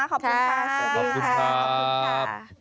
ขอบคุณค่ะสวัสดีค่ะ